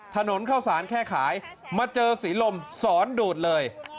ถนนเข้าสารแค่ขายมาเจอศรีลมสอนดูดเลย